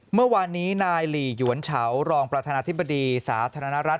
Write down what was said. เมื่อวานนี้นายหลีหยวนเฉารองประธานาธิบดีสาธารณรัฐ